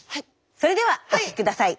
それではお聴き下さい。